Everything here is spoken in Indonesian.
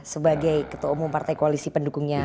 sebagai ketua umum partai koalisi pendukungnya